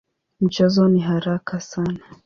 Mchezo ni haraka sana.